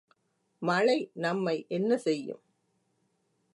மழை நம்மை என்ன செய்யும்?